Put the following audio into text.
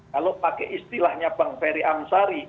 kalau pakai istilahnya bang ferry amsari